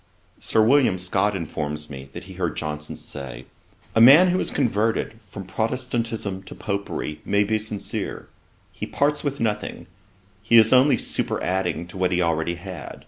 Sir William Scott informs me, that he heard Johnson say, 'A man who is converted from Protestantism to Popery may be sincere: he parts with nothing: he is only superadding to what he already had.